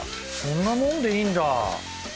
そんなもんでいいんだ。